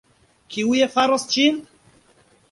Kiuj faros ĝin?